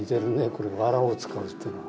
このわらを使うってのは。